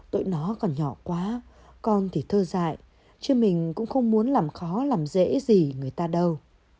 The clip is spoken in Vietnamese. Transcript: tội nó còn nhỏ quá con thì thơ dại chứ mình cũng không muốn làm khó làm dễ gì người ta đâu